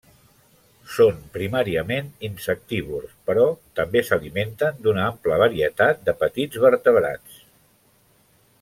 Són primàriament insectívors, però també s'alimenten d'una ampla varietat de petits vertebrats.